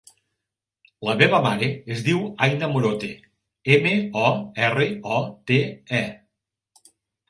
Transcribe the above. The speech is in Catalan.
La meva mare es diu Aina Morote: ema, o, erra, o, te, e.